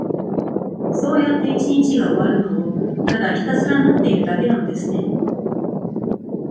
そうやって一日が終わるのを、ただひたすら待っているだけなのですね。